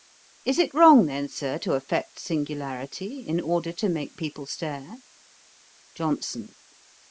'Is it wrong then, Sir, to affect singularity, in order to make people stare?' JOHNSON.